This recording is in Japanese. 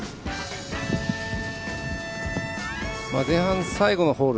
前半、最後のホール。